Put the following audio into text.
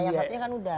yang satunya kan sudah